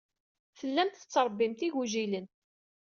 Tellamt tettṛebbimt igujilen.